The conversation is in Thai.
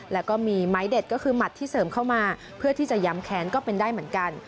แล้วก็มีไม้เด็ดก็คือหมัดที่เสริมเข้ามาเพื่อที่จะย้ำแค้นก็เป็นได้เหมือนกัน